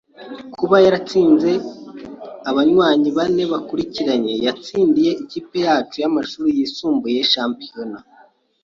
Kuba yaratsinze abanywanyi bane bakurikiranye yatsindiye ikipe yacu y'amashuri yisumbuye shampiyona.